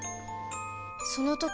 その時